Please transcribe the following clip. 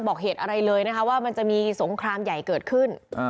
บอกเหตุอะไรเลยนะคะว่ามันจะมีสงครามใหญ่เกิดขึ้น